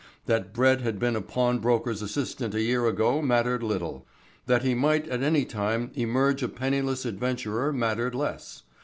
That Brett had been a pawnbroker's assistant a year ago mattered little. That he might at any time emerge a penniless adventurer mattered less.